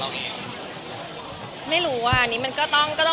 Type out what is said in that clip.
ก็เลยเอาข้าวเหนียวมะม่วงมาปากเทียน